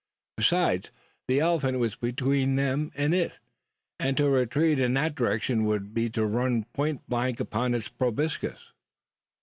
Besides, the elephant was between them and it, and to retreat in that direction would be to run point blank upon its proboscis!